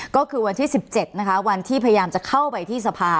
ก็คือวันที่๑๗นะคะวันที่พยายามจะเข้าไปที่สภา